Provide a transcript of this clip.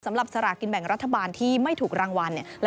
สำหรับสลากกินแบ่งรัฐบาลที่ไม่ถูกรางวัลเนี่ย